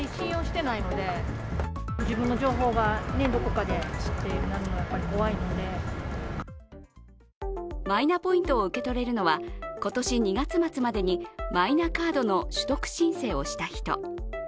街で聞いてみるとマイナポイントを受け取れるのは今年２月末までにマイナカードの取得申請をした人。